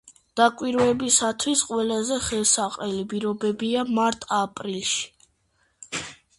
დაკვირვებისათვის ყველაზე ხელსაყრელი პირობებია მარტ-აპრილში.